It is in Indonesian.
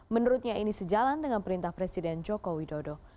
menurutnya ini sejalan dengan perintah presiden joko widodo